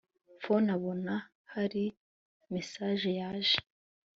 phone abona hari message yaje